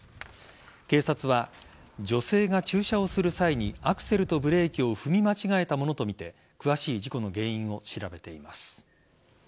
警察は、女性が駐車をする際にアクセルとブレーキを踏み間違えたものとみて詳しい事故の原因を調べています。